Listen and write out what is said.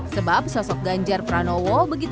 sebab sosok ganjar pranowo